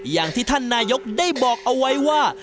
อย่างที่ท่านนายกได้บอกเอาไว้ว่า